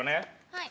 はい。